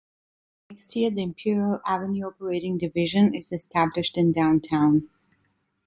The next year, the Imperial Avenue operating division is established in downtown.